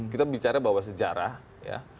kita bicara bahwa sejarah ya